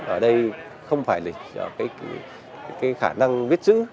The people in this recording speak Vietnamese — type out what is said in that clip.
ở đây không phải là do cái khả năng viết chữ